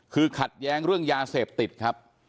คือขัดแย้งเรื่องยาเสพติดครับ